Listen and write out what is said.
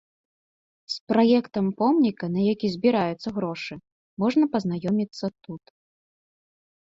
З праектам помніка, на які збіраюцца грошы, можна пазнаёміцца тут.